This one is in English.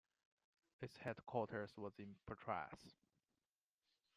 Its headquarters was in Patras.